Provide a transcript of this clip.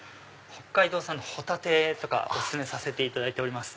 北海道産のホタテとかお薦めさせていただいております。